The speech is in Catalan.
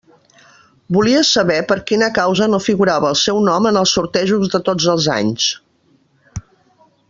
Volia saber per quina causa no figurava el seu nom en els sortejos de tots els anys.